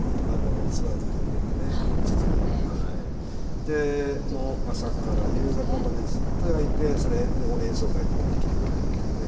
でもう朝から夕方までずっと焼いてそれを演奏会に持ってきてくれるっていうね。